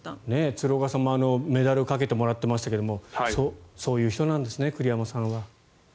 鶴岡さんもメダルをかけてもらっていましたがそういう人なんですね栗山さんは。